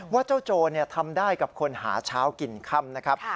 ว่าเจ้าโจรทำได้กับคนหาเช้ากินค่ำนะครับ